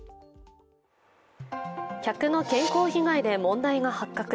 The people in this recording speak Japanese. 客の健康被害で問題が発覚。